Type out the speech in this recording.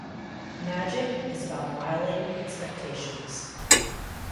Magic is about violating expectations.